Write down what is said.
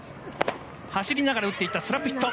走りながら打っていったスラップヒット。